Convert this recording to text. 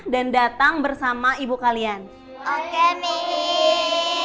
dan datang bersama ibu kalian